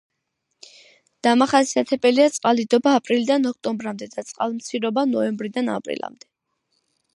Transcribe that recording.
დამახასიათებელია წყალდიდობა აპრილიდან ოქტომბრამდე და წყალმცირობა ნოემბრიდან აპრილამდე.